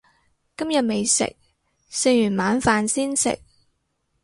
今日未食，食完晚飯先食